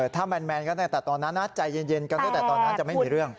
แต่ตอนนั้นน่ะใจเย็นกันตั้งแต่ตอนนั้นจะไม่มีเรื่อง